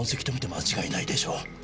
間違いないでしょう。